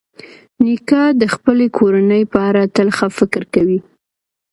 نیکه د خپلې کورنۍ په اړه تل ښه فکر کوي.